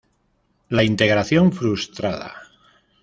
La integración frustrada.